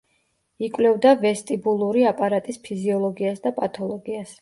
იკვლევდა ვესტიბულური აპარატის ფიზიოლოგიას და პათოლოგიას.